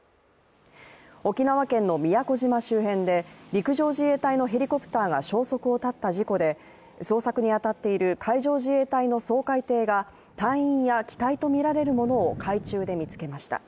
沖縄県の宮古島周辺で陸上自衛隊のヘリコプターが消息を絶った事故で、捜索に当たっている海上自衛隊の掃海艇が隊員や機体とみられるものを海中で見つけました。